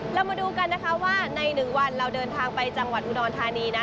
เรามาดูกันนะคะว่าใน๑วันเราเดินทางไปจังหวัดอุดรธานีนะ